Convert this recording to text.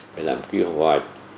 phải làm kế hoạch